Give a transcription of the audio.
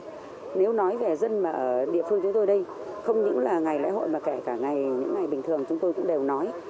chúng tôi nói về dân ở địa phương chúng tôi đây không những là ngày lễ hội mà kể cả những ngày bình thường chúng tôi cũng đều nói